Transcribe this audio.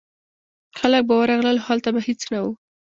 خلک به ورغلل خو هلته به هیڅ نه و.